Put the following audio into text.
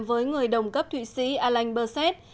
với người đồng cấp thụy sĩ alain berset